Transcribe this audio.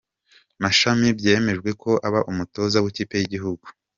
Mashami byemejwe ko aba umutoza w’ ikipe yigihugu